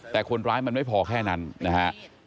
แต่คนร้ายมันไม่พอแค่นั้นนะฮะ